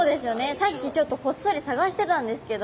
さっきちょっとこっそり探してたんですけど。